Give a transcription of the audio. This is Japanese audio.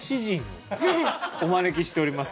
お招きしております。